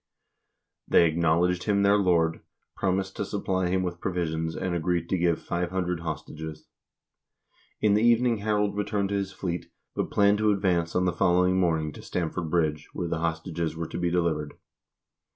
They acknowledged him their lord, promised to supply him with provisions, and agreed to give 500 hostages. In the evening Harald returned to his fleet, but planned to advance on the following morning to Stamford Bridge, where the hostages were to be delivered.